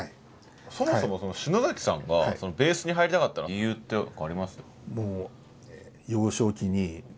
そもそもその篠崎さんがベースに入りたかった理由ってあります？